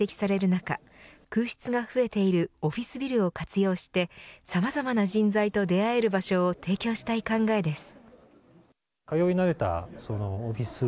中空室が増えているオフィスビルを活用してさまざまな人材と出会える場所を提供したい考えです。